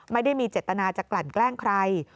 ไม่ได้มีเจตนาจะกลั่นแกล้งใคร